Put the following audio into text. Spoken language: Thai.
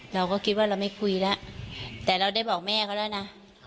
เราก็คิดว่าเราไม่คุยแล้วแต่เราได้บอกแม่เขาแล้วนะ